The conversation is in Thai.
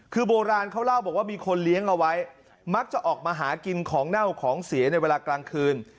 คือโบราณเขาเล่าบอกว่ามีคนเลี้ยงเอาไว้มักจะออกมาหากินของเน่าของเสียในเวลากลางคืน